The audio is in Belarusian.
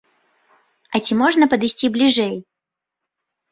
А ці можна падысці бліжэй?